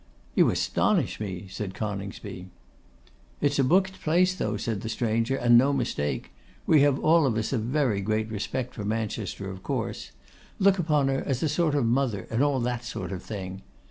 'You astonish me!' said Coningsby. 'It's a booked place though,' said the stranger, 'and no mistake. We have all of us a very great respect for Manchester, of course; look upon her as a sort of mother, and all that sort of thing.